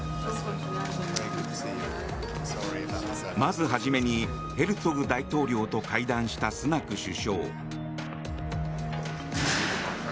まず初めにヘルツォグ大統領と会談したスナク首相。